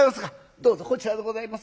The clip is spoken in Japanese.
「どうぞこちらでございます。